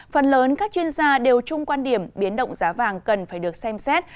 phần lớn các chuyên gia đều chung quan điểm biến động giá vàng cần phải được xem xét